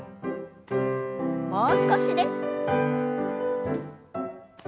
もう少しです。